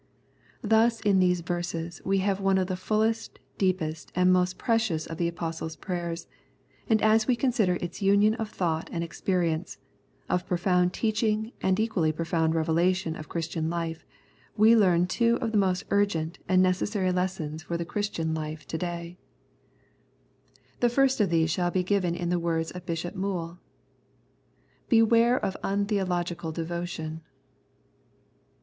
Thus in these verses we have one of the fullest, deepest and most precious of the Apostle's prayers, and as we consider its union of thought and experience, of profound teaching and equally profound revelation of Christian life, we learn two of the most urgent and necessary lessons for the Christian life to day. 69 The Prayers of St. Paul The first of these shall be given in the words of Bishop Moule :" Beware of untheological devotion."